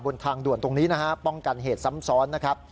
บนทางด่วนตรงนี้ป้องกันเหตุซ้ำซ้อน